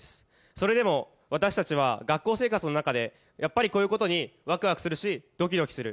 それでも私たちは学校生活の中でやっぱりこういうことにワクワクするしドキドキする。